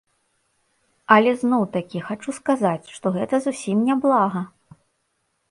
Але, зноў-такі, хачу сказаць, што гэта зусім не блага!